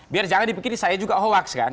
biar jangan dipikirin saya juga hoax kan